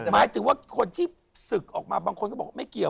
หมายถึงว่าคนที่ศึกออกมาบางคนก็บอกไม่เกี่ยว